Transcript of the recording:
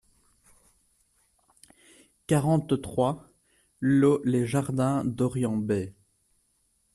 quarante-trois lOT LES JARDINS D'ORIENT BAY